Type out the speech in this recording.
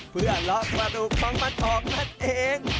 เพื่อเลาะกระดูกของมันออกนั่นเอง